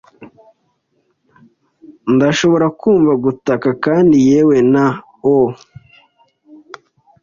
Ndashobora kumva gutaka kandi yewe na oh